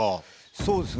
そうですね。